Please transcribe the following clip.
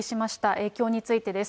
影響についてです。